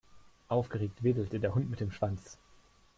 Aufgeregt wedelte der Hund mit dem Schwanz.